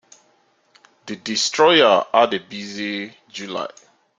The destroyer had a busy July.